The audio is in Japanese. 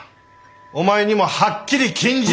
お前にもはっきり禁じた！